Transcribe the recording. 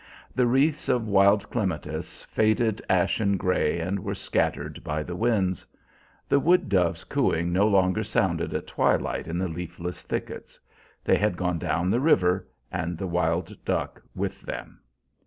The wreaths of wild clematis faded ashen gray, and were scattered by the winds. The wood dove's cooing no longer sounded at twilight in the leafless thickets. They had gone down the river and the wild duck with them.